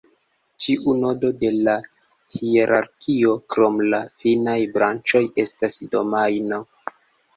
Ĉiu nodo de la hierarkio, krom la finaj branĉoj, estas domajno.